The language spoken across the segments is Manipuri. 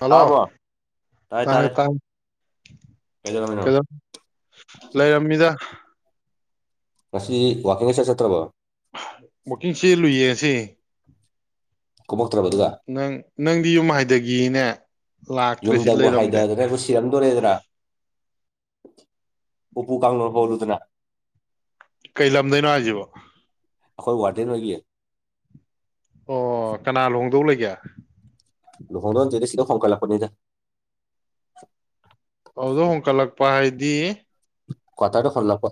ꯍꯜꯂꯣ ꯇꯥꯔꯕꯣ ꯇꯥꯔꯦ ꯇꯥꯏꯌꯦ ꯇꯥꯔꯦ ꯇꯥꯏꯌꯦ ꯀꯩꯗꯧꯔꯝꯃꯤꯅꯣ ꯀꯩꯗ ꯂꯩꯔꯝꯃꯤꯗ ꯉꯁꯤ ꯋꯥꯀꯤꯡ ꯏꯆꯠ ꯆꯠꯇ꯭ꯔꯕꯣ ꯋꯥꯛꯀꯤꯡ ꯆꯦꯜꯂꯨꯏꯌꯦ ꯉꯁꯤ ꯀꯨꯝꯃꯛꯇ꯭ꯔꯕ ꯑꯗꯨꯒ ꯅꯪ ꯅꯪꯗꯤ ꯌꯨꯝ ꯍꯥꯏꯗꯒꯤꯅꯦ ꯂꯥꯛꯇ꯭ꯔꯦ ꯁꯤ ꯌꯨꯝꯗꯕꯨ ꯂꯩꯔꯝꯗꯦ ꯍꯥꯏꯗꯗꯅ ꯁꯤꯔꯝꯗꯣꯔꯦꯗꯅ ꯎꯄꯨ ꯀꯥꯡꯊꯣꯜ ꯍꯣꯜꯂꯨꯗꯅ ꯀꯩ ꯂꯝꯗꯩꯅꯣ ꯍꯥꯏꯁꯤꯕꯣ ꯑꯩꯈꯣꯏ ꯋꯥꯔꯗꯦꯟ ꯍꯣꯏꯒꯤ ꯑꯣ ꯀꯅꯥ ꯂꯨꯍꯣꯡꯗꯧ ꯂꯩꯒꯦ ꯂꯍꯣꯡꯗꯧ ꯅꯠꯇꯦꯗ ꯁꯤꯗ ꯍꯣꯡꯀꯠ ꯂꯛꯄꯅꯤꯗ ꯑꯗꯨ ꯍꯣꯡꯀꯠꯂꯛꯄ ꯍꯥꯏꯗꯤ ꯀꯋꯥꯇꯔ ꯗ ꯍꯣꯡꯂꯛꯄ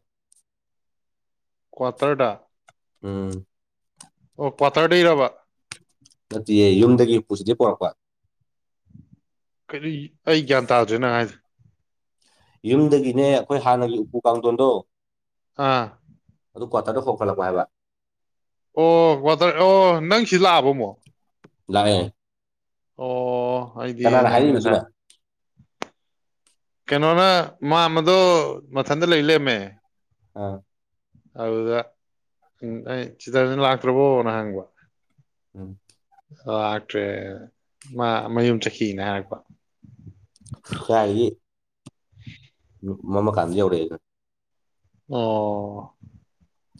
ꯀ꯭ꯋꯥꯇꯔꯗ ꯎꯝ ꯑꯣ ꯀꯋꯥꯇꯔꯗꯩꯔꯕ ꯅꯠꯇꯤꯌꯦ ꯌꯨꯝꯗꯒꯤ ꯎꯄꯨꯁꯤꯗꯤ ꯄꯣꯔꯛꯄ ꯀꯔꯤ ꯑꯩ ꯒ꯭ꯌꯥꯟ ꯇꯥꯗꯔꯦ ꯅꯪ ꯍꯥꯏꯗꯣ ꯌꯨꯝꯗꯒꯤꯅꯦ ꯑꯩꯈꯣꯏ ꯍꯥꯟꯅꯒꯤ ꯎꯄꯨ ꯀꯥꯡꯊꯣꯟꯗꯣ ꯑꯥ ꯑꯗꯨ ꯀꯋꯥꯇꯔꯗ ꯍꯣꯡꯀꯠꯂꯛꯄ ꯍꯥꯏꯕ ꯑꯣ ꯀꯋꯥꯇꯔ ꯑꯣ ꯅꯪ ꯁꯤ ꯂꯥꯛꯑꯕꯣ ꯑꯃꯨꯛ ꯂꯥꯛꯑꯦ ꯑꯣ ꯑꯩꯗꯤ ꯀꯅꯥꯅ ꯅꯪ ꯍꯥꯏꯔꯤꯕ ꯑꯗꯨꯅ ꯉꯁꯥꯏ ꯀꯩꯅꯣꯅ ꯃꯥꯝꯃꯗꯣ ꯃꯊꯟꯗ ꯂꯩ ꯂꯩꯔꯝꯃꯦ ꯑꯥ ꯑꯗꯨꯗ ꯑꯩ ꯆꯤꯇꯔꯟꯖꯟ ꯂꯥꯛꯇ꯭ꯔꯕꯣꯅ ꯍꯪꯕ ꯎꯝ ꯂꯥꯛꯇ꯭ꯔꯦ ꯃꯥ ꯃꯌꯨꯝ ꯆꯠꯈꯤꯅ ꯍꯥꯏꯔꯛꯄ ꯀꯥꯏꯗꯒꯤ [unintelligible] ꯃꯝꯃ ꯀꯥꯟꯗ ꯌꯧꯔꯛꯑꯦꯗ ꯑꯣ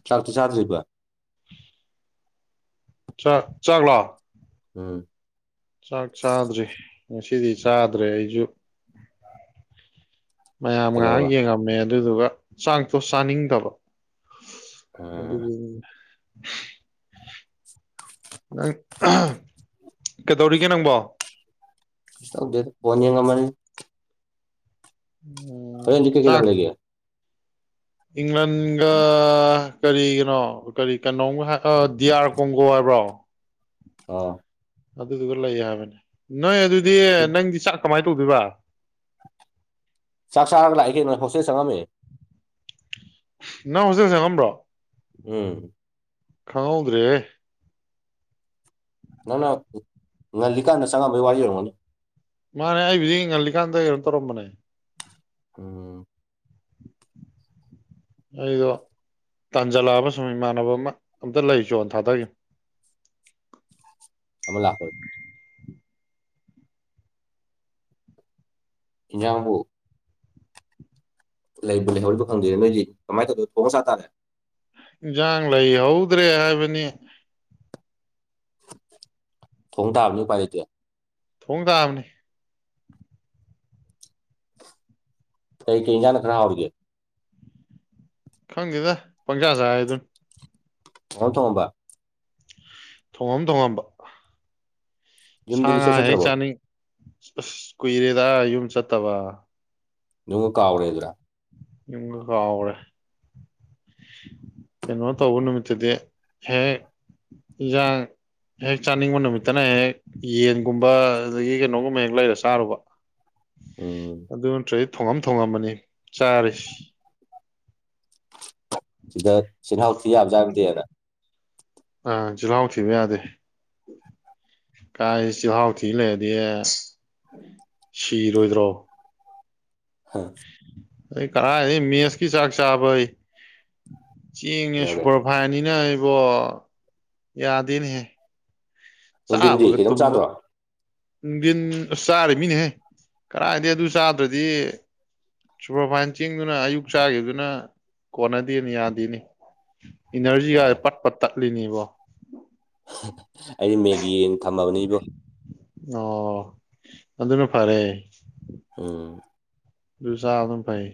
ꯆꯥꯛꯇꯤ ꯆꯥꯗ꯭ꯔꯤꯕ ꯆꯥꯛ ꯆꯥꯛꯂꯣ ꯎꯝ ꯆꯥꯛ ꯆꯥꯗ꯭ꯔꯤ ꯉꯁꯤꯗꯤ ꯆꯥꯗ꯭ꯔꯦ ꯑꯩꯁꯨ ꯃꯌꯥꯝ ꯉꯥꯏꯍꯥꯛ ꯀꯩꯗꯧꯔꯕ ꯌꯦꯡꯉꯝꯃꯦ ꯑꯗꯨꯗꯨꯒ ꯆꯥꯛꯇꯣ ꯆꯥꯅꯤꯡꯗꯕ ꯑꯗꯨ ꯎꯝ ꯅꯪ ꯀꯩꯗꯧꯔꯤꯒꯦ ꯅꯪꯕꯣ ꯀꯩꯁꯨ ꯇꯧꯗꯦꯗ ꯐꯣꯟ ꯌꯦꯡꯉꯝꯕꯅꯤ ꯎꯝ ꯍꯣꯔꯦꯟꯗꯤ ꯀꯩ ꯀꯩ ꯆꯥꯛ ꯂꯝ ꯂꯩꯒꯦ ꯏꯪꯂꯟꯒ ꯀꯔꯤꯒꯅꯣ ꯀꯔꯤ ꯀꯩꯅꯣꯝ ꯗꯤ ꯑꯥꯔ ꯀꯣꯡꯒꯣ ꯍꯥꯏꯕ ꯕꯔꯣ ꯍꯥꯎ ꯑꯗꯨꯗꯨꯒ ꯂꯩ ꯍꯥꯏꯕꯅꯦ ꯅꯣꯏ ꯑꯗꯨꯗꯤ ꯅꯪꯗꯤ ꯆꯥꯛ ꯀꯃꯥꯏꯅ ꯇꯧꯗꯣꯏꯕꯣ ꯆꯥꯛ ꯆꯥꯔꯒ ꯂꯥꯛꯑꯦ ꯀꯩꯅꯣ ꯑꯩ ꯍꯣꯁꯇꯦꯜ ꯆꯡꯉꯝꯃꯦ ꯅꯪ ꯍꯣꯁꯇ꯭ꯦꯜ ꯆꯡꯉꯝꯕ꯭ꯔꯣ ꯎꯝ ꯈꯥꯎꯗ꯭ꯔꯦ ꯅ ꯅ ꯅ ꯂꯤꯀꯥꯏ ꯅ ꯁꯒ ꯋꯥꯔꯤ ꯃꯅꯦ ꯃꯥꯅꯦ ꯑꯩꯕꯨꯗꯤ ꯌꯦꯡꯍꯜꯂꯤꯀꯥꯟꯗ ꯀꯩꯅꯣ ꯇꯧꯔꯝꯕꯅꯦ ꯎꯝ ꯑꯩꯗꯣ ꯇꯥꯟꯖꯜꯂꯛꯕ ꯁ ꯏꯃꯥꯟꯅꯕ ꯑꯃ ꯑꯝꯇ ꯂꯩ ꯆꯣꯟ ꯊꯥꯗꯒꯦ ꯑꯜ ꯏꯕꯣ ꯂꯩꯍꯧꯔꯤꯕ ꯈꯪꯗꯣꯏꯅꯦ ꯅꯣꯏꯗꯤ ꯀꯃꯥꯏꯅ ꯇꯧꯗꯣꯏ ꯊꯣꯡꯉ ꯆꯥ ꯇꯥꯔꯦ ꯏꯟꯖꯥꯡ ꯂꯩ ꯍꯧꯗ꯭ꯔꯦ ꯍꯥꯏꯕꯅꯤ ꯊꯣꯡ ꯇꯥꯕꯅꯤ ꯄꯥꯏ ꯂꯩꯇꯦ ꯊꯣꯡ ꯇꯥꯕꯅꯦ ꯀꯩ ꯀ ꯏꯖꯅ ꯈꯔꯥ ꯑꯣꯏꯔꯒꯦ ꯈꯪꯗꯦꯗ ꯄꯪꯁꯥ ꯁ ꯍꯥꯏ ꯑꯗꯨꯅ ꯑꯣ ꯊꯣ ꯍꯝꯕ ꯊꯣꯉꯝ ꯊꯣꯡꯉꯝꯕ ꯁꯥ ꯌꯨꯝꯗꯗꯤ ꯉꯥ ꯏꯆꯠ ꯍꯦꯛ ꯆꯠꯇ꯭ꯔꯕꯣ ꯆꯥꯅꯤꯡ ꯑꯁ ꯀꯨꯏꯔꯦꯗ ꯌꯨꯝ ꯆꯠꯇꯕ ꯅꯣꯡꯃ ꯀꯥꯎꯔꯦꯗꯔꯥ ꯏꯉ ꯀꯑ꯭ꯔ ꯀꯩꯅꯣ ꯇꯧꯕ ꯅꯨꯃꯤꯠꯇꯗꯤ ꯍꯦꯛ ꯏꯟꯖꯥꯡ ꯍꯦꯛ ꯆꯥꯅꯤꯡꯕ ꯅꯨꯃꯤꯠꯇꯅ ꯍꯦꯛ ꯌꯦꯟꯒꯨꯝꯕ ꯑꯗꯨꯗꯒꯤ ꯀꯩꯅꯣꯒꯨꯝꯕ ꯍꯦꯛ ꯂꯩꯔ ꯆꯥꯔꯨꯕ ꯎꯝ ꯑꯗꯨ ꯅꯠꯇ꯭ꯔꯗꯤ ꯊꯣꯉꯝ ꯊꯣꯉꯝꯕꯅꯤ ꯆꯥꯔꯤꯁꯤ ꯁꯤꯗ ꯁꯤꯍꯥꯎ ꯊꯤ ꯌꯥꯝꯕꯖꯕꯗꯦꯅ ꯑꯥ ꯆꯂꯥꯎ ꯊꯤꯕ ꯌꯥꯗ ꯀꯥꯏ ꯁꯤ ꯍꯥꯎ ꯊ ꯂꯩꯦꯗꯤ ꯁꯤꯔꯣꯏꯗ꯭ꯔꯣ ꯍꯥ ꯑꯩ ꯀꯔꯥꯏ ꯃꯦꯁꯀꯤ ꯆꯥꯛ ꯆꯥꯕꯩ ꯆꯦꯡꯉꯦ ꯀꯩꯗꯧꯔꯒꯦ ꯁꯨꯄꯔ ꯐꯥꯏꯅꯤꯅ ꯑꯩꯕꯣ ꯌꯥꯗꯦꯅꯦꯍꯦ ꯅꯨꯡꯊꯤꯟꯗꯤ ꯆꯥꯕꯒ ꯈꯤꯇꯪꯝ ꯇꯨꯝꯕ ꯆꯥꯗ꯭ꯔꯣ ꯅꯨꯡꯊꯤꯟ ꯑꯁ ꯆꯥꯔꯤ ꯃꯤꯅꯦꯍꯦ ꯀꯗꯥꯥꯏꯗꯒꯤ ꯑꯗꯨ ꯆꯥꯗ꯭ꯔꯗꯤ ꯁꯨꯄꯔꯚꯥꯏ ꯆꯤꯡꯗꯨꯅ ꯑꯌꯨꯛ ꯆꯥꯈꯤꯕꯗꯨꯅ ꯀꯣꯟꯅꯗꯦꯅ ꯌꯥꯗꯦꯅꯤ ꯏꯅꯔꯖꯤꯒ ꯃꯥꯅꯦ ꯄꯠꯄ ꯇꯠꯂꯤꯅꯦꯕꯣ ꯑꯩꯗꯤ ꯃꯦꯒꯤꯅ ꯊꯝꯃꯕꯅꯤ ꯏꯕꯣ ꯑꯣ ꯑꯗꯨꯅ ꯐꯔꯦ ꯎꯝ ꯑꯗꯨ ꯆꯥ ꯑꯗꯨꯝ ꯐꯩ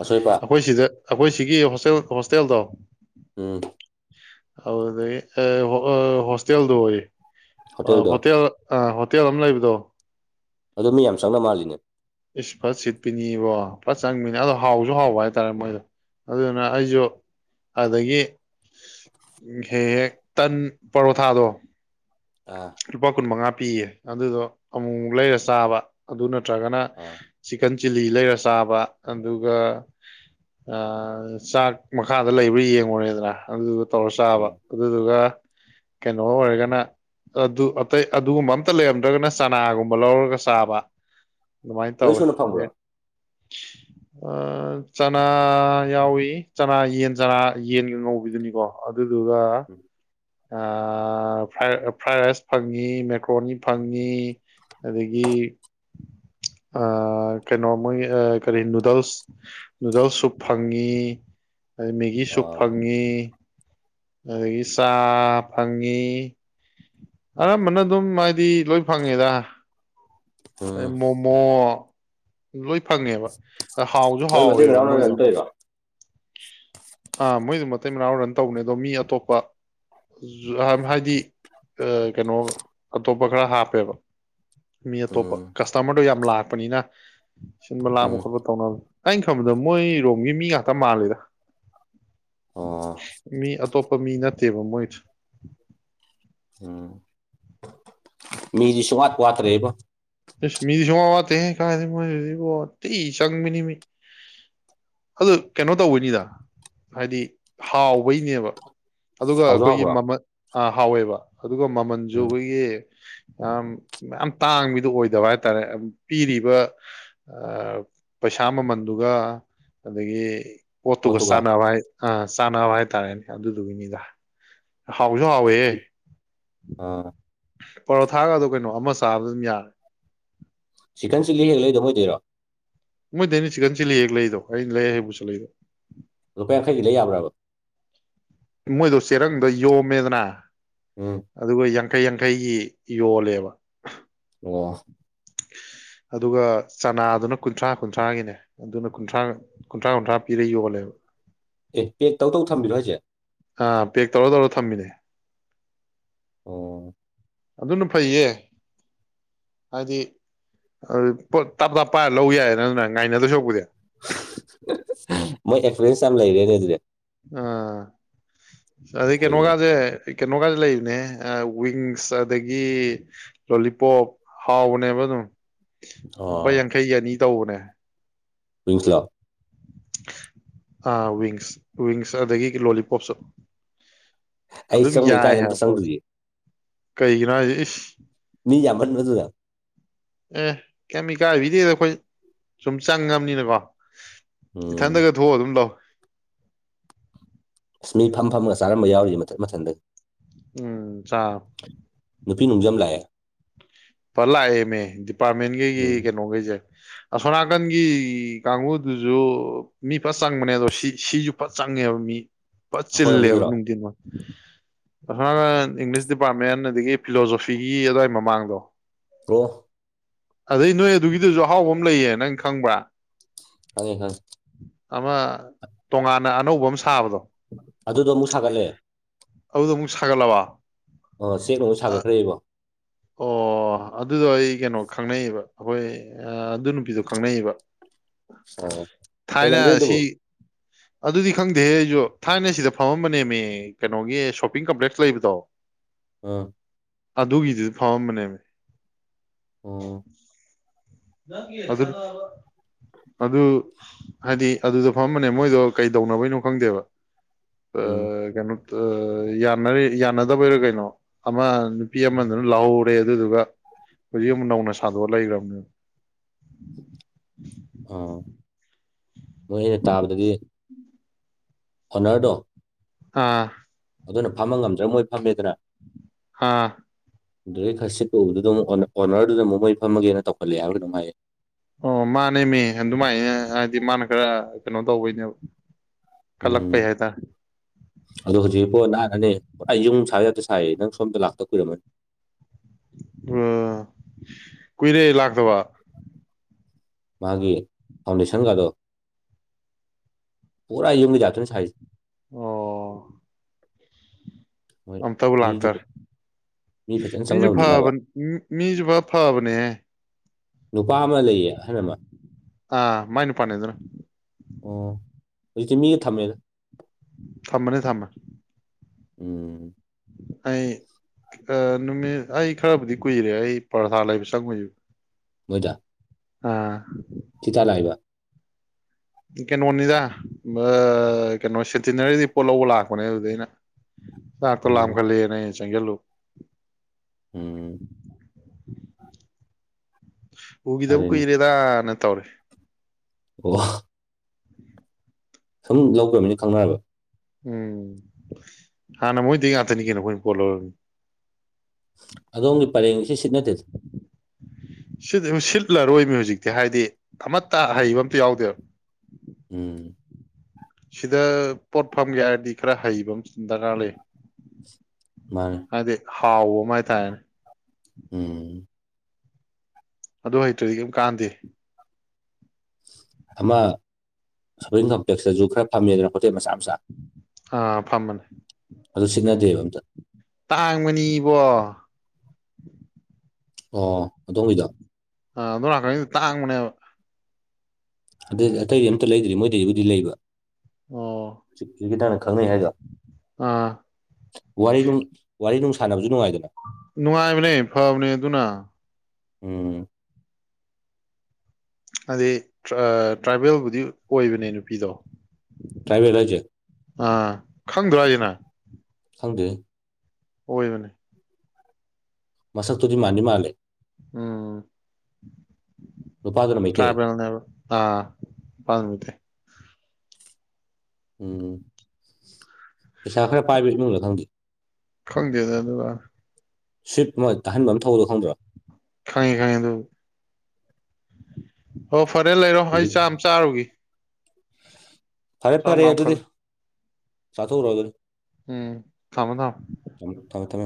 ꯑꯁꯣꯏꯄ ꯑꯩꯈꯣꯏ ꯁꯤꯗ ꯑꯩꯈꯣꯏ ꯁꯤꯒꯤ ꯍꯣꯁꯇꯦꯜ ꯍꯣꯁꯇꯦꯜꯗꯣ ꯎꯝ ꯑꯗꯨꯗꯒꯤ ꯍꯣꯁꯇꯦꯜꯗꯣ ꯑꯣꯏ ꯍꯣꯇꯦꯜꯗꯣ ꯍꯣꯇꯦꯜ ꯑ ꯍꯣꯇꯦꯜ ꯑꯃ ꯂꯩꯕꯗꯣ ꯑꯗꯨ ꯃꯤ ꯌꯥꯝ ꯆꯪꯅꯕ ꯃꯥꯜꯂꯤꯅꯦ ꯏꯁ ꯐꯠ ꯁꯤꯠꯄꯤꯅꯤꯕꯣ ꯐꯠ ꯆꯪꯕꯤꯅꯤ ꯑꯗꯣ ꯍꯥꯎꯁꯨ ꯍꯥꯎꯕ ꯍꯥꯏꯇꯥꯔꯦ ꯃꯣꯏꯗꯣ ꯑꯗꯨꯅ ꯑꯩꯁꯨ ꯑꯗꯒꯤ ꯍꯦꯛ ꯍꯦꯛ ꯇꯟ ꯄꯔꯣꯊꯥꯗꯣ ꯑꯥ ꯂꯨꯄꯥ ꯀꯨꯟ ꯃꯉꯥ ꯄꯤꯌꯦ ꯑꯗꯨꯗꯣ ꯑꯃꯨꯛꯛ ꯂꯩꯔ ꯆꯥꯕ ꯑꯗꯨ ꯅꯠꯇ꯭ꯔꯒꯅ ꯑꯥ ꯆꯤꯛꯀꯟ ꯆꯤꯂꯤ ꯂꯩꯔ ꯆꯥꯕ ꯑꯗꯨꯒ ꯆꯥꯛ ꯃꯈꯥꯗ ꯂꯩꯕ꯭ꯔꯥ ꯌꯦꯡꯉꯨꯔꯦꯗ꯭ꯔ ꯑꯗꯨ ꯇꯧꯔ ꯆꯥꯕ ꯎꯝ ꯑꯗꯨꯗꯨꯒ ꯀꯩꯅꯣ ꯑꯣꯏꯔꯒꯅ ꯑꯗꯨ ꯑꯇꯩ ꯑꯗꯨꯒꯨꯝꯕ ꯑꯝꯇ ꯂꯩꯔꯝꯗ꯭ꯔꯒꯅ ꯆꯅꯥꯒꯨꯝꯕ ꯂꯧꯔꯒ ꯆꯥꯕ ꯑꯗꯨꯃꯥꯏꯅ ꯂꯣꯏ ꯇꯧꯋꯦ ꯁꯨꯅ ꯐꯪꯕ꯭ꯔꯣ ꯑ ꯆꯅꯥ ꯌꯥꯎꯏ ꯆꯅꯥ ꯌꯦꯟ ꯆꯅꯥ ꯌꯦꯟꯒ ꯉꯧꯕꯤꯗꯨꯅꯤꯀꯣ ꯑꯗꯨꯗꯨꯒ ꯎꯝ ꯑ ꯐ꯭ꯔꯥꯏ ꯔꯥꯏꯁ ꯐꯪꯉꯤ ꯃꯦꯀ꯭ꯔꯣꯅꯤ ꯐꯪꯉꯤ ꯑꯗꯒꯤ ꯀꯩꯅꯣ ꯃꯣꯏ ꯀꯔꯤ ꯅꯨꯗꯜꯁ ꯅꯨꯗꯜꯁꯁꯨ ꯐꯪꯉꯤ ꯑꯗꯩ ꯃꯦꯒꯤꯁꯨ ꯑꯥ ꯐꯪꯉꯤ ꯑꯗꯒꯤ ꯆꯥ ꯐꯪꯉꯤ ꯑꯔꯝꯕꯅ ꯑꯗꯨꯝ ꯍꯥꯏꯗꯤ ꯂꯣꯏ ꯐꯪꯉꯦꯗ ꯑꯩ ꯎꯝ ꯃꯣꯃꯣ ꯂꯣꯏ ꯐꯪꯉꯦꯕ ꯍꯥꯎꯁꯨ ꯃꯣꯏ ꯃꯇꯩ ꯍꯥꯎꯋꯦꯕ ꯃꯅꯥꯎꯅ ꯔꯟ ꯃꯣꯏꯗꯣ ꯇꯧꯔꯤꯔꯣ [unintelligible] [inaudible] ꯑꯥ ꯃꯣꯏꯗꯨ ꯃꯇꯩ ꯃꯅꯥꯎ ꯔꯟ ꯇꯧꯕꯅꯦ ꯑꯗꯣ ꯃꯤ ꯑꯇꯣꯞꯄ ꯍꯥꯏꯗꯤ ꯀꯩꯅꯣ ꯑꯇꯣꯞꯄ ꯈꯔ ꯍꯥꯞꯄꯦꯕ ꯃꯤ ꯑꯇꯣꯞꯄ ꯎꯝ ꯀꯁꯇꯃꯔꯗꯣ ꯌꯥꯝ ꯂꯥꯛꯄꯅꯤꯅ ꯁꯤꯟꯕ ꯂꯥꯛꯝꯕ ꯎꯝ ꯈꯣꯠꯄ ꯇꯧꯅꯕ ꯑꯩꯅ ꯈꯪꯕꯗ ꯃꯣꯏ ꯔꯣꯝꯒꯤ ꯃꯤ ꯉꯥꯛꯇ ꯃꯥꯜꯂꯤꯦꯗ ꯑꯣ ꯃꯤ ꯑꯇꯣꯞꯄ ꯃꯤ ꯅꯠꯇꯦꯕ ꯃꯣꯏ ꯎꯝ ꯃꯤꯗꯤ ꯁꯨꯡ ꯋꯥꯠꯄ ꯋꯥꯠꯇ꯭ꯔꯦꯕ ꯁ ꯃꯤꯁꯨꯃ ꯋꯥ ꯀꯥꯏꯤ ꯆꯪꯃꯤꯅꯤ ꯑꯗꯨ ꯀꯩꯅꯣ ꯇꯧꯕꯩꯅꯤꯗ ꯍꯥꯏꯗꯤ ꯍꯥꯎꯕꯩꯅꯦꯕ ꯑꯗꯨꯒ ꯍꯥꯎꯁꯨ ꯑꯩꯈꯣꯏꯒꯤ ꯍꯥꯎꯕ꯭ꯔꯣ ꯃꯃꯜ ꯍꯥꯎꯋꯦꯕ ꯑꯗꯨꯒ ꯃꯃꯜꯁꯨ ꯎꯝ ꯑꯩꯈꯣꯏꯒꯤ ꯑ ꯌꯥꯝ ꯇꯥꯡꯕꯤꯗꯨ ꯑꯣꯏ ꯄꯗꯕ ꯍꯥꯏꯇꯥꯔꯦ ꯄꯤꯔꯤꯕ ꯄꯩꯁꯥ ꯃꯃꯜꯗꯨꯒ ꯑꯗꯒꯤ ꯄꯣꯠꯇꯨꯒ ꯆꯥꯟꯅꯕ ꯍꯥꯏ ꯑ ꯆꯥꯅꯕ ꯍꯥꯏꯇꯥꯔꯦꯅꯦ ꯑꯗꯨꯗꯨꯒꯤꯅꯤꯗ ꯍꯥꯎꯁꯨ ꯍꯥꯎꯋꯦ ꯑꯥ ꯄꯔꯣꯊꯥꯒ ꯑꯗꯨ ꯀꯩꯅꯣ ꯑꯃ ꯆꯥꯕꯗ ꯑꯗꯨꯝ ꯌꯥꯔꯦ ꯆꯤꯛꯀꯟ ꯆꯤꯂꯤ ꯍꯦꯛ ꯂꯩꯗꯕ ꯑꯣꯏꯗꯣꯏꯔꯣ ꯃꯣꯏ ꯗꯅꯤ ꯆꯤꯛꯀꯟ ꯆꯤꯂꯤ ꯍꯦꯛ ꯂꯩꯗꯣ ꯑꯩꯅ ꯂꯩ ꯍꯩꯕꯨꯁꯨ ꯂꯩꯗꯣ ꯔꯨꯄꯥꯔ ꯈꯥꯏꯒ ꯂꯩ ꯌꯥꯕꯔꯕꯔ ꯃꯣꯏꯗꯣ ꯆꯦꯔꯪꯗꯣ ꯌꯣꯝꯃꯦꯗꯅ ꯎꯝ ꯑꯗꯨꯒ ꯌꯥꯡꯈꯩ ꯌꯥꯡꯈꯩꯒꯤ ꯌꯣꯜꯂꯦꯕ ꯑꯣ [unintelligible] [inaudible] ꯑꯗꯨꯒ ꯆꯅꯥꯗꯨꯅ ꯀꯨꯟꯊ꯭ꯔꯥ ꯀꯨꯟꯊ꯭ꯔꯥꯒꯤꯅꯦ ꯑꯗꯨꯅ ꯀꯨꯟꯊ꯭ꯔꯥ ꯀꯨꯟꯊ꯭ꯔꯥ ꯀꯨꯟꯊ꯭ꯔꯥ ꯄꯤꯔꯒ ꯌꯣꯜꯂꯦꯕ [unintelligible] [inaudible] ꯑꯦ ꯄꯦꯛ ꯇꯧꯗꯧ ꯊꯝꯕꯤꯔꯣ ꯑꯩꯁꯦ ꯑ ꯄꯦꯛ ꯇꯧꯔ ꯇꯧꯔ ꯊꯝꯃꯤꯅꯦ ꯑꯣ ꯑꯗꯨꯅ ꯐꯩꯌꯦ ꯍꯥꯏꯗꯤ ꯄꯣꯠ ꯇꯥꯞ ꯇꯥꯞ ꯄꯥꯏꯔ ꯂꯧ ꯌꯥꯏ ꯅ ꯑꯗꯨꯅ ꯉꯥꯏꯅꯗꯣꯏ ꯁꯄꯨꯗꯤ ꯃꯣꯏ ꯑꯦꯛꯁꯄꯤꯔꯤꯦꯟꯁ ꯌꯥꯝ ꯂꯩꯔꯦꯅꯦ ꯑꯗꯨꯗꯤ ꯑ ꯑꯗꯨꯗꯒꯤ ꯐꯩꯅꯦ ꯀꯩꯅꯣꯉꯖꯦ ꯀꯩꯅꯣ ꯀꯥꯏꯗ ꯂꯩꯔꯤꯅꯦ ꯋꯤꯡꯁ ꯑꯗꯒꯤ ꯂꯣꯂꯤꯄꯣꯞ ꯍꯥꯎꯕꯅꯦꯕ ꯑꯗꯨꯝ ꯂꯨꯄꯥ ꯌꯥꯡꯈꯩꯒ ꯑꯅꯤ ꯇꯧꯕꯅꯦ ꯄ꯭ꯁꯂꯥ ꯑ ꯋꯤꯡꯁ ꯋꯤꯡꯁ ꯑꯗꯒꯤ ꯂꯣꯂꯤꯄꯣꯞꯁꯨ ꯑꯩ ꯑꯗꯨꯝ ꯆꯪꯕ ꯌꯥꯏ ꯏꯀꯥꯏꯗ ꯑꯝꯇ ꯍꯥꯏꯕ ꯄꯣꯠ ꯆꯪꯗ꯭ꯔꯤꯌꯦ ꯀꯩꯒꯤꯅꯣ ꯍꯥꯏ ꯃꯤ ꯌꯥꯃ ꯅꯠꯇ ꯊ ꯑꯦ ꯀꯦꯃꯤꯀꯦꯜꯒꯤꯗꯤꯗ ꯑꯩꯈꯣꯏ ꯁꯨꯝ ꯆꯪꯉꯕꯅꯤꯅꯀꯣ ꯎꯝ ꯏꯊꯟꯗꯒ ꯊꯣꯛꯑ ꯑꯗꯨꯝ ꯂꯥꯎ ꯑꯁ ꯃꯤ ꯐꯝ ꯐꯝꯃꯒ ꯆꯥꯔꯝꯕ ꯌꯥꯎꯔꯤꯁ ꯃꯊꯠ ꯃꯊꯟꯗꯒꯤ ꯎꯝ ꯆꯥ ꯅꯨꯄꯤ ꯅꯨꯡꯖꯝ ꯂꯥꯛꯑꯦ ꯐ ꯂꯥꯛꯑꯦꯃꯦ ꯗꯤꯄꯥꯔꯠꯃꯦꯟꯈꯩꯒꯤ ꯎꯝ ꯀꯩꯅꯣꯈꯩꯁꯦ ꯑꯁꯣꯅꯥꯀꯟꯒꯤ ꯀꯥꯡꯕꯨꯗꯨꯁꯨ ꯃꯤ ꯐꯠ ꯆꯪꯕꯅꯦ ꯑꯗꯣ ꯁꯤ ꯁꯤꯁꯨ ꯐ ꯆꯪꯉꯦꯕ ꯃꯤ ꯄ ꯆꯤꯜ ꯂꯩꯦ ꯑꯩꯈꯣꯏꯔꯣꯝꯒꯤꯗꯨꯔꯣ ꯅꯅꯨꯡꯗꯤꯟ ꯑꯅ ꯏꯪꯂꯤꯁ ꯗꯤꯄꯥꯔꯠꯃꯦꯟ ꯑꯗꯒꯤ ꯐꯤꯂꯣꯁꯣꯐꯤꯒꯤ ꯑꯗꯨꯋꯥꯏ ꯃꯃꯥꯡꯗꯣ ꯀ꯭ꯔꯣꯍ ꯑꯗꯩ ꯅꯣꯏ ꯑꯗꯨꯒꯤꯗꯨꯁꯨ ꯑꯍꯥꯎꯕ ꯑꯃ ꯂꯩꯌꯦ ꯅꯪ ꯈꯪꯕ꯭ꯔꯥ ꯑꯅꯤ ꯍ ꯑꯃ ꯇꯣꯉꯥꯟꯅ ꯑꯅꯧꯕ ꯑꯃ ꯁꯥꯕꯗꯣ ꯑꯗꯨꯗꯣ ꯑꯃꯨꯛ ꯁꯥꯒꯠꯂꯦ ꯑꯗ ꯁꯒꯂꯋꯥ ꯑ ꯆꯦꯛ ꯅꯣꯡꯛ ꯁꯥꯒꯠꯈ꯭ꯔꯦꯕꯣ ꯑꯣ ꯑꯗꯨꯗꯣ ꯑꯩ ꯀꯩꯅꯣ ꯈꯪꯅꯩꯕ ꯑꯩꯈꯣꯏ ꯑꯗꯨ ꯅꯨꯄꯤꯗꯣ ꯈꯪꯅꯩꯕ ꯑ ꯀꯩ ꯂꯝꯝ ꯇꯕꯨ ꯁꯤ ꯑꯗꯨꯗꯤ ꯈꯪꯗꯦ ꯑꯩꯁꯨ ꯊꯥꯏꯅ ꯁꯤꯗ ꯐꯝꯃꯝꯕꯅꯦꯃꯤ ꯀꯩꯅꯣꯒꯤ ꯁꯣꯞꯄꯤꯡ ꯀꯝꯄ꯭ꯂꯦꯛꯁ ꯂꯩꯕꯗꯣ ꯑꯥ ꯑꯗꯨꯒꯤꯗꯨꯁꯨ ꯐꯥꯎꯔꯝꯕꯅꯦ ꯑꯣ ꯅꯕ ꯑꯗꯨ ꯍꯥꯏꯗꯤ ꯑꯗꯨꯗꯣ ꯐꯝꯝꯕꯅꯦ ꯃꯣꯏꯗꯣ ꯀꯩ ꯇꯧꯅꯕꯩꯅꯣ ꯈꯪꯗꯦꯕ ꯎꯝ ꯀꯩꯅꯣ ꯌꯥ ꯌꯥꯅꯗꯕꯩꯔꯣ ꯀꯩꯅꯣ ꯑꯃ ꯅꯨꯄꯤ ꯑꯃꯗꯨꯅ ꯂꯥꯎꯍꯧꯔꯦ ꯑꯗꯨꯗꯨꯒ ꯍꯧꯖꯤꯛ ꯑꯃꯨꯛ ꯅꯧꯅ ꯁꯥꯗꯣꯛꯑ ꯂꯩꯈ꯭ꯔꯕꯅꯦ ꯑꯥ ꯃꯣꯏ ꯑꯩꯅ ꯇꯥꯕꯗꯗꯤ ꯑꯣꯔꯗꯣ ꯑꯥ ꯑꯗꯨꯅ ꯐꯝꯕ ꯉꯝꯗ꯭ꯔꯕ ꯃꯣꯏ ꯐꯝꯃꯦꯗꯅ ꯍꯥꯥ ꯑꯗꯨꯩ ꯈꯁꯤ ꯇꯧꯕꯗꯨꯗ ꯑꯃꯨꯛ ꯑꯣꯅꯔꯗꯨꯗ ꯑꯃꯨꯛ ꯃꯣꯏ ꯐꯝꯃꯒꯦꯅ ꯇꯧꯈꯠꯂꯛꯑꯦ ꯍꯥꯏꯕ꯭ꯔ ꯀꯩꯅꯣꯝ ꯍꯥꯏꯌꯦ ꯑꯣ ꯃꯥꯅꯦ ꯃꯤ ꯑꯗꯨꯃꯥꯏ ꯗꯤ ꯃꯥꯅ ꯈꯔ ꯀꯩꯅꯣ ꯇꯧꯕꯩꯅꯦꯕ ꯎꯝ ꯀꯜꯂꯛꯄꯩ ꯍꯥꯏꯇꯥꯔꯦ ꯑꯗꯣ ꯍꯧꯖꯤꯣ ꯅꯦ ꯌꯨꯝ ꯁꯥꯕ ꯌꯥꯗꯦ ꯁꯥꯏꯌꯦ ꯅꯪ ꯁꯣꯝꯗ ꯂꯥꯛꯇ ꯀꯨꯏꯔꯝꯃꯅꯤ ꯎꯝ ꯀꯨꯏꯔꯦ ꯂꯥꯛꯇꯕ ꯃꯥꯒꯤ ꯐꯥꯎꯟꯗꯦꯁꯟꯒꯗꯣ ꯄꯨꯔ ꯌꯝꯒꯤ ꯌꯥꯇꯅꯤ ꯁꯥꯏ ꯑꯣ ꯃꯣꯏ ꯑꯝꯇꯕꯨ ꯃꯤꯖꯨ ꯂꯥꯛꯇꯔꯦ ꯃꯤ ꯐꯖꯅ ꯃꯤꯁꯨ ꯐꯥꯕ ꯆꯪꯅꯕꯅꯤꯅꯕ ꯃꯤꯁꯨ ꯐ ꯐꯥꯕꯅꯦ ꯅꯨꯄꯥ ꯑꯃ ꯂꯩꯌꯦ ꯑꯍꯜꯃ ꯑꯥ ꯃꯥꯏꯅꯤ ꯄꯅꯦ ꯑꯗꯨꯅ ꯍꯧꯖꯤꯗꯤ ꯃꯤ ꯊꯝꯃꯦꯅ ꯊꯃꯅꯤ ꯊꯃ ꯎꯝ ꯑꯩ ꯅꯨꯃꯤꯠ ꯑꯩ ꯈꯔꯕꯨꯗꯤ ꯀꯨꯏꯔꯦ ꯑꯩ ꯄ꯭ꯔꯊꯥ ꯂꯩꯕ ꯆꯪꯕꯁꯨ ꯃꯣꯏꯖ ꯑꯥ ꯆꯤꯇꯥ ꯂꯥꯏꯕ ꯀꯩꯅꯣꯅꯤꯗ ꯀꯩꯅꯣ ꯁꯦꯇꯤꯅꯔꯤꯗꯤ ꯄꯣꯠ ꯂꯧꯕ ꯂꯥꯛꯄꯅꯦ ꯑꯗꯨꯗ ꯑꯩꯅ ꯌꯥꯇꯣ ꯂꯝ ꯎꯝ ꯈꯂꯤꯅ ꯆꯪꯒꯦꯂꯨ ꯎꯝ ꯎꯈꯤꯗꯕ ꯐꯔꯦꯅꯦ ꯀꯨꯏꯔꯦꯗꯅ ꯇꯧꯔꯤꯦ ꯋꯥ ꯁꯨꯝ ꯂꯧꯈ꯭ꯔꯃꯤꯅꯤ ꯈꯪꯅꯔꯕ ꯎꯝ ꯍꯥꯟꯅ ꯃꯣꯏꯗꯒꯤ ꯉꯥꯛꯇꯅꯤ ꯀꯩꯅꯣ ꯑꯩꯈꯣꯏꯅ ꯄꯣꯜꯂꯔꯅꯤ ꯑꯗꯣꯝꯒꯤ ꯄꯔꯦꯡꯁꯤ ꯁꯤꯠ ꯅꯠꯇꯦꯗ ꯁꯤꯗꯤ ꯁꯤꯠꯂꯔꯣꯏ ꯃꯤ ꯍꯧꯨꯖꯤꯛꯇꯤ ꯍꯥꯏꯗꯤ ꯑꯃꯠꯇ ꯍꯩꯕ ꯑꯝꯇ ꯌꯥꯎꯗꯦꯕ ꯎꯝ ꯁꯤꯗ ꯄꯣꯠ ꯐꯝꯒꯦ ꯍꯥꯏꯔꯗꯤ ꯈꯔ ꯍꯩꯕ ꯑꯃ ꯗꯔꯀꯥꯔ ꯂꯩ ꯃꯥ ꯍꯥꯎ ꯎ ꯃꯥꯏ ꯇꯦ ꯎꯝ ꯑꯗꯨ ꯍꯩꯇ꯭ꯔꯗꯤ ꯀꯩꯝ ꯀꯥꯟꯗꯦ ꯑꯃ ꯁꯣꯄꯤꯡ ꯀꯝꯄ꯭ꯂꯦꯛꯁꯇꯁꯨ ꯈꯔ ꯐꯝꯃꯦꯗꯅ ꯍꯣꯇꯦꯜ ꯃꯆꯥ ꯃꯆꯥ ꯑꯥ ꯐꯝꯕꯅꯦ ꯑꯗꯨ ꯁꯤꯠꯅꯗꯦꯕ ꯑꯝꯇ ꯇꯥꯡ ꯃꯅꯤꯕꯣ ꯑꯣ ꯑꯗꯣꯝꯒꯤꯗ ꯑ ꯑꯗꯨ ꯂꯥꯛꯀꯅꯤ ꯇꯥꯡꯕꯅꯦꯕ ꯑ ꯑꯇꯩꯗꯤ ꯑꯝꯇ ꯂꯩꯗ꯭ꯔꯤ ꯃꯣꯏꯗꯗꯤꯕꯨꯗꯤ ꯂꯩꯕ ꯑꯣ ꯍꯧꯒꯤꯇꯪꯅ ꯈꯪꯅꯩ ꯍꯥꯏꯒ ꯑꯥ ꯋꯥꯔꯤ ꯅꯨꯡ ꯋꯥꯔꯤ ꯅꯨꯡ ꯁꯥꯟꯅꯕꯁꯨ ꯅꯨꯡꯉꯥꯏ ꯅꯨꯡꯉꯥꯏꯕꯅꯦ ꯐꯕꯅꯦ ꯑꯗꯨꯅ ꯎꯝ ꯑꯗꯨꯗꯤ ꯇ꯭ꯔꯥꯏꯕꯦꯜꯕꯨꯗꯤ ꯑꯣꯏꯕꯅꯦ ꯅꯨꯄꯤꯗꯣ ꯇ꯭ꯔꯥꯏꯕꯔꯖ ꯑ ꯈꯪꯗ꯭ꯔꯥꯁꯤꯅ ꯐꯪꯗꯦ ꯑꯣꯏꯣꯏꯕꯅꯤ ꯃꯁ ꯇꯨꯔꯤ ꯃꯥꯅꯤ ꯃꯥꯂꯦ ꯎꯝ ꯅꯨꯄꯥꯗꯨꯅ ꯃꯩꯇꯩ ꯇ꯭ꯔꯥꯏꯕꯕ ꯑꯥ ꯃꯤꯇꯦ ꯎꯝ ꯄꯩꯁꯥ ꯈꯔ ꯄꯥꯏꯕ ꯏꯃꯨꯡꯗ ꯈꯪꯗꯦ ꯈꯪꯗꯦꯗ ꯑꯗꯨꯒꯀ ꯁ꯭ꯋꯤꯞ ꯑꯃ ꯇꯥꯍꯟꯕ ꯑꯃ ꯊꯧꯕꯗꯣ ꯈꯪꯗ꯭ꯔꯥ ꯈꯥꯏ ꯈꯌꯦꯗ ꯑꯣ ꯐꯔꯦ ꯂꯩꯔꯣ ꯑꯩ ꯍꯧꯖꯤꯛ ꯆꯥꯝ ꯆꯥꯔꯨꯒ ꯐꯔꯦ ꯐꯔꯦ ꯑꯗꯨꯗꯤ ꯂꯥꯝꯈꯠꯂꯦ ꯆꯥꯊꯣꯛꯎꯔꯣꯑꯣ ꯑꯗꯨꯗꯤ ꯎꯝ ꯊꯃꯗꯥ ꯊꯝꯃꯦ ꯊꯝꯃꯦ